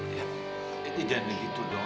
ya tapi jangan begitu dong